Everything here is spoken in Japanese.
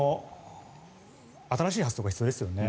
新しい発想が必要ですよね。